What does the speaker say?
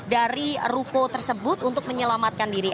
dari ruko tersebut untuk menyelamatkan diri